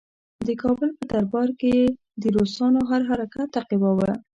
د کابل په دربار کې یې د روسانو هر حرکت تعقیباوه.